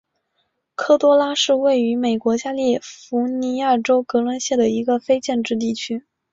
科多拉是位于美国加利福尼亚州格伦县的一个非建制地区。